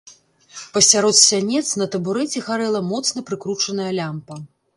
Пасярод сянец на табурэце гарэла моцна прыкручаная лямпа.